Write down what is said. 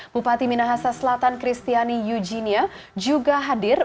bupati minahasa selatan kristiani yujinia juga hadir